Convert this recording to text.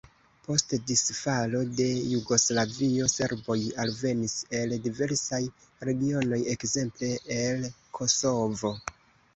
Post disfalo de Jugoslavio serboj alvenis el diversaj regionoj, ekzemple el Kosovo.